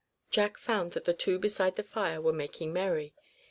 Jack found that the two beside the fire were making merry.